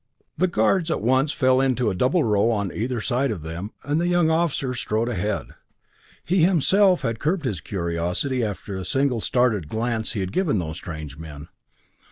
The guards at once fell into a double row on either side of them, and the young officer strode ahead. He himself had curbed his curiosity after the single startled glance he had given these strange men.